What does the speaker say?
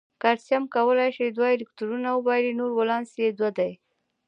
کلسیم کولای شي دوه الکترونونه وبایلي نو ولانس یې دوه دی.